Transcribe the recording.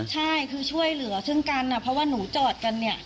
ใช่คือช่วยเหลือซึ่งกันเพราะว่าหนูจอดกันเนี่ย